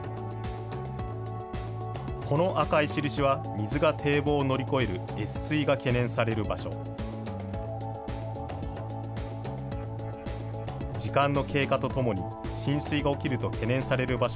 この赤い印は、水が堤防を乗り越える越水が懸念される場所。